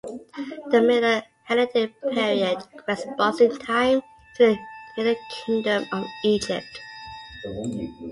The Middle Helladic period corresponds in time to the Middle Kingdom of Egypt.